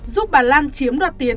giúp bà lan chiếm đoạt tiền